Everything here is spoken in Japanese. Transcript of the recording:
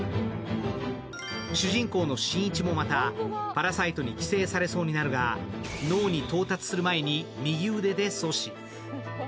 主人公の新一もまたパラサイトに寄生されそうになるが、脳に到達する前に右腕で阻止。